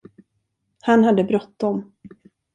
Han hade bråttom.